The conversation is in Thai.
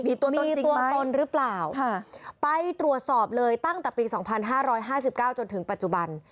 มีตัวตนจริงตัวตนหรือเปล่าไปตรวจสอบเลยตั้งแต่ปี๒๕๕๙จนถึงปัจจุบัน